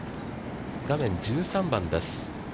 画面、１３番です。